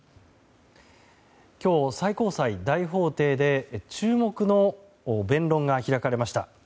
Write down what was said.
今日、最高裁大法廷で注目の弁論が開かれました。